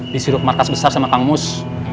di sirup markas besar saya makan mus